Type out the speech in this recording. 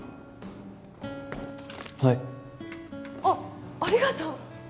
はいあっありがとう